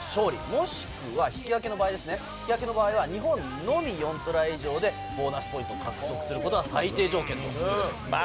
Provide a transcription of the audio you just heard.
もしくは引き分けの場合、日本のみ４トライ以上でボーナスポイントを獲得することが最低条件です。